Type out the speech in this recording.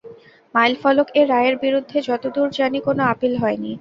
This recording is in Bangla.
মাইলফলক এ রায়ের বিরুদ্ধে যত দূর জানি কোনো আপিল হয়নি।